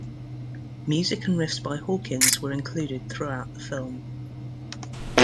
Music and riffs by Hawkins were included throughout the film.